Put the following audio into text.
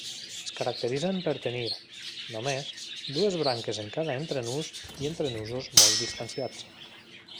Es caracteritzen per tenir, només, dues branques en cada entrenús i entrenusos molt distanciats.